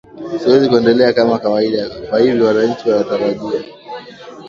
siwezi kuendelea kama kawaida kwa hivyo wananchi wanatarajia